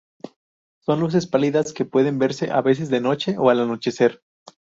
Son luces pálidas que pueden verse a veces de noche o al anochecer.